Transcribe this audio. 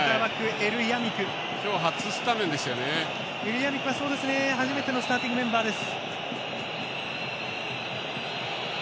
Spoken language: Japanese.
エルヤミクは、初めてのスターティングメンバーです。